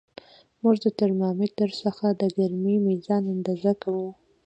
موږ د ترمامتر څخه د ګرمۍ میزان اندازه کوو.